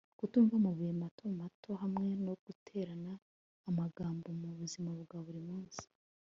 Kutumva amabuye mato mato hamwe no guterana amagambo mubuzima bwa buri munsi